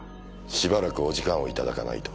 しばらくお時間をいただかないと。